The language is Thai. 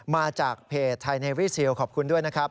มาจากเพจไทยในวิสิลขอบคุณด้วยนะครับ